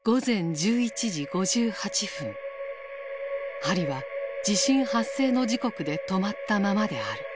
針は地震発生の時刻で止まったままである。